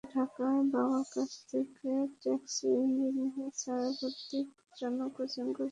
রাজু ঢাকায় বাবার কাছে থেকে টেক্সটাইল ইঞ্জিনিয়ারিংয়ে ভর্তির জন্য কোচিং করছিলেন।